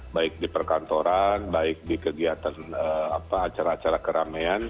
baik di perkantoran baik di kegiatan acara acara keramaian